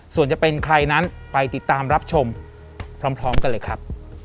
ส่วนจะเป็นใครนั้นไปติดตามรับชมพร้อมกันเลยครับ